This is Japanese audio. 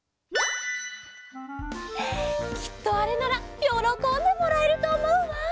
きっとあれならよろこんでもらえるとおもうわ。